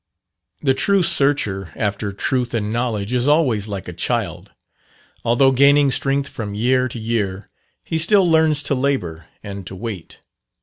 The true searcher after truth and knowledge is always like a child; although gaining strength from year to year, he still "learns to labour and to wait."